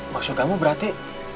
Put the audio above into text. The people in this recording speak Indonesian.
maksud kamu berarti